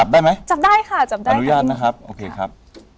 มีแต่ผ่านพติแล้วครับ